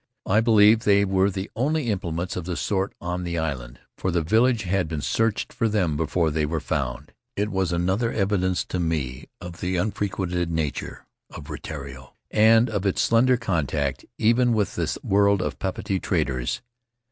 I believe they were the only implements of the sort on the island, for the village had been searched for them before they were found. It was another evidence to me of the unfrequented nature of Rutiaro, and of its slender contact, even with the world of Papeete traders.